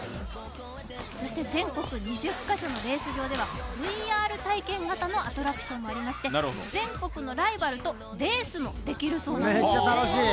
そして全国２０カ所のレース場ではＶＲ体験型の施設もあって全国のライバルとレースもできるそうなんですね。